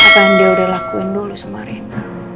apa yang dia udah lakuin dulu sama reina